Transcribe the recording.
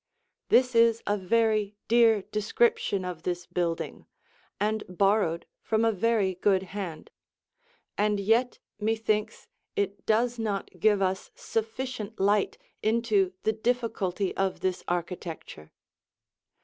This is a very dear description of this building, and borrowed from a very good hand; and yet me thinks it does not give us sufficient light into the difficulty of this architecture.